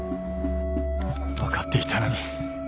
分かっていたのに。